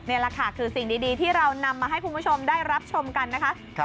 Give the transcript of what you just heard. นี่แหละค่ะคือสิ่งดีที่เรานำมาให้คุณผู้ชมได้รับชมกันนะคะ